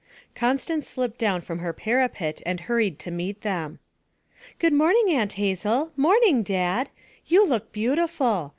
Constance slipped down from her parapet and hurried to meet them. 'Good morning, Aunt Hazel. Morning, Dad! You look beautiful!